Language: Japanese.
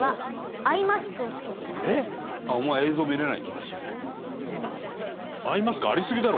伊達：お前、映像見れないんだよだから。